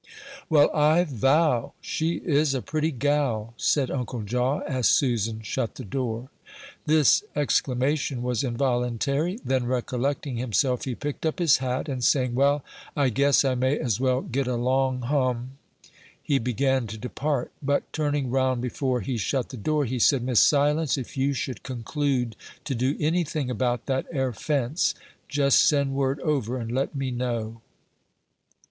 "Well, I vow! she is a pretty gal," said Uncle Jaw, as Susan shut the door. This exclamation was involuntary; then recollecting himself, he picked up his hat, and saying, "Well, I guess I may as well get along hum," he began to depart; but turning round before he shut the door, he said, "Miss Silence, if you should conclude to do any thing about that 'ere fence, just send word over and let me know."